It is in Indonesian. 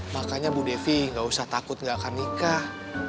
makanya bu devi gak usah takut nggak akan nikah